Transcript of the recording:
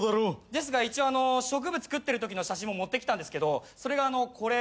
ですが一応植物食ってるときの写真も持ってきたんですけどそれがこれ。